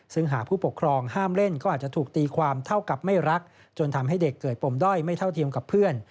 ซึ่งหากผู้ปกครองห้ามเล่นก็อาจจะถูกตีความเท่ากับไม่รักจนทำให้เด็กเกิดปมด้อยไม่เท่าเทียมกับเพื่อน